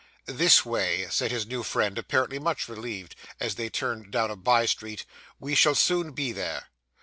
'This way,' said his new friend, apparently much relieved as they turned down a by street; 'we shall soon be there.